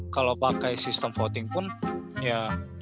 kalo pake sistem voting pun ya